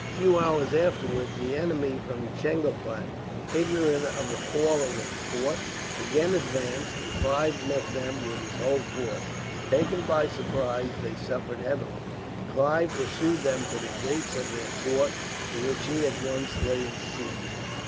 A few hours afterwards the enemy from Chengalpatt, ignorant of the fall of the fort, again advanced; and Clive met them with his whole force. Taken by surprise, they suffered heavily. Clive pursued them to the gates of their fort, to which he at once laid siege.